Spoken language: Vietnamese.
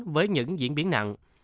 với những diễn biến nặng